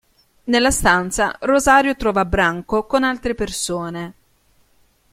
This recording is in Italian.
Nella stanza Rosario trova Branco con altre persone.